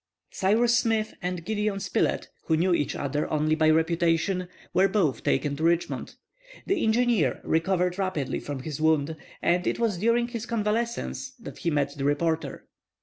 Cyrus Smith and Gideon Spilett, who knew each other only by reputation, were both taken to Richmond. The engineer recovered rapidly from his wound, and it was during his convalescence he met the reporter.